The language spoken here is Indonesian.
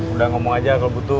udah ngomong aja kalau butuh